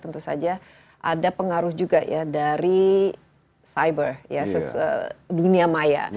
tentu saja ada pengaruh juga ya dari cyber dunia maya